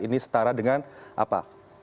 ini setara dengan apa